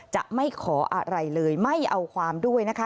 จะไม่ขออะไรเลยไม่เอาความด้วยนะคะ